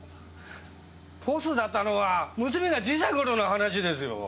ボスだったのは娘が小さい頃の話ですよ。